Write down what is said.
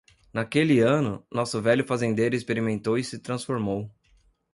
Naquele ano, nosso velho fazendeiro experimentou e se transformou.